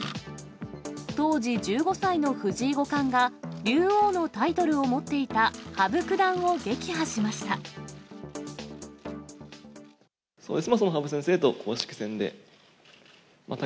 当時１５歳の藤井五冠が、竜王のタイトルを持っていた羽生九段を撃破しました。